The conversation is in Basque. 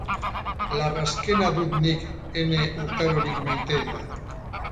Larrazkena dut nik ene urtarorik maiteena.